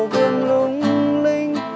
đêm lung linh